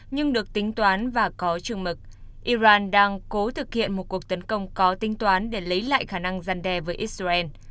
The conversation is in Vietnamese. nhưng được tính toán và có trừng mực iran đang cố thực hiện một cuộc tấn công có tính toán để lấy lại khả năng gian đe với israel